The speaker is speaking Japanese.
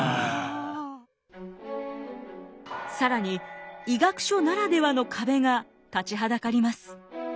更に医学書ならではの壁が立ちはだかります。